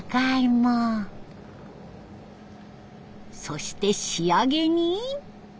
そして仕上げに。